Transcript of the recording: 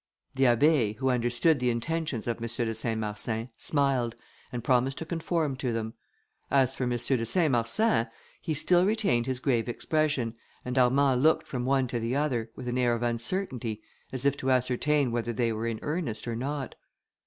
The Abbé, who understood the intentions of M. de Saint Marsin, smiled, and promised to conform to them. As for M. de Saint Marsin, he still retained his grave expression, and Armand looked from one to the other, with an air of uncertainty, as if to ascertain whether they were in earnest or not.